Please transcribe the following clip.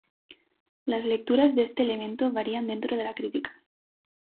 Las lecturas de este elemento varían dentro de la crítica.